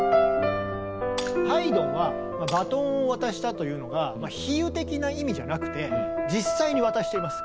ハイドンはバトンを渡したというのが比喩的な意味じゃなくて実際に渡しています。